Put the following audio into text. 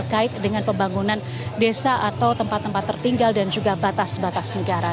terkait dengan pembangunan desa atau tempat tempat tertinggal dan juga batas batas negara